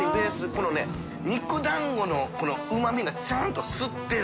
海里肉団子のこのうま味がちゃんと吸ってる。